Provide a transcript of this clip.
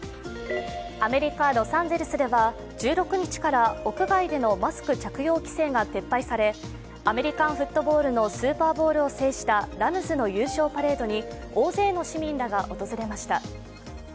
アメリカ・ロサンゼルスでは１６日から屋外でのマスク着用規制が撤廃されアメリカンフットボールのスーパーボウルを制したラムズの優勝パレードに大勢の市民らが訪れました。